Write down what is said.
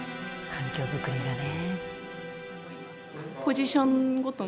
環境づくりがね。